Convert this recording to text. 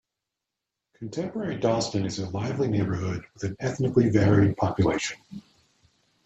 Contemporary Dalston is a lively neighbourhood with an ethnically varied population.